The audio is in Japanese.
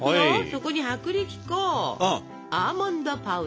そこに薄力粉アーモンドパウダー。